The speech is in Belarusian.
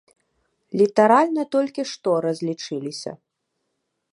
Літаральна толькі што разлічыліся.